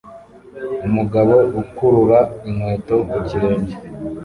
Umugabo ukurura inkweto ku kirenge